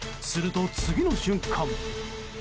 すると、次の瞬間